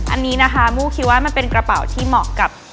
อันนี้นะคะมู้คิดว่ามันเป็นกระเป๋าที่เหมาะกับ